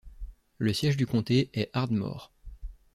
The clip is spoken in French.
Le siège du comté est Ardmore.